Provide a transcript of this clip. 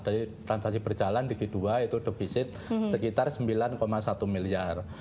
jadi transaksi berjalan di g dua itu divisit sekitar sembilan satu miliar